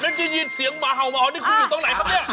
ได้ยินเสียงหมาเห่านี่คุณอยู่ตรงไหนครับเนี่ย